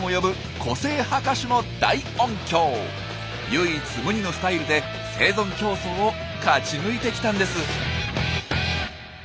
唯一無二のスタイルで生存競争を勝ち抜いてきたんです。